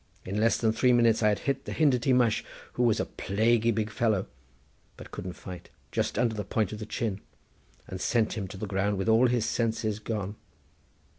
In less than three minutes I had hit the Hindity mush, who was a plaguey big fellow, but couldn't fight, just under the point of the chin, and sent him to the ground with all his senses gone.